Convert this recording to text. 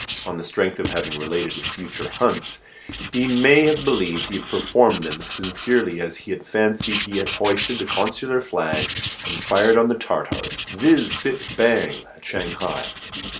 On the strength of having related his future hunts, he may have believed he had performed them as sincerely as he fancied he had hoisted the consular flag and fired on the Tartars, zizz, phit, bang! at Shanghai.